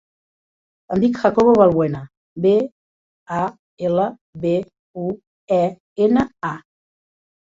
Em dic Jacobo Balbuena: be, a, ela, be, u, e, ena, a.